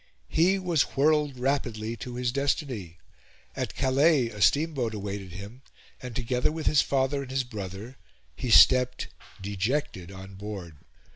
He was whirled rapidly to his destiny. At Calais a steamboat awaited him, and, together with his father and his brother, he stepped, dejected, on board.